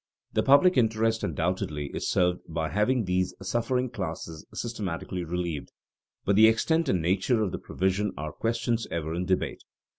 The public interest undoubtedly is served by having these suffering classes systematically relieved, but the extent and nature of the provision are questions ever in debate.